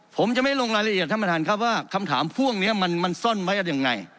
ผมจะไม่ลงรายละเอียดท่านประธานครับว่าคำถามพวกนี้มันซ่อนไว้กันยังไง